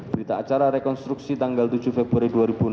berita acara rekonstruksi tanggal tujuh februari dua ribu enam belas